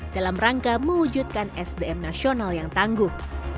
dalam rangka mewujudkan sdm nasional yang tangguh